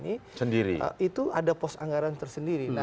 itu ada pos anggaran tersendiri